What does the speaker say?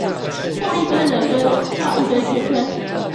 畫一堆人跟畫一堆圈圈